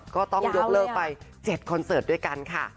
ก็ต้องยกเลิกไป๗คอนเสิร์ตด้วยกันค่ะ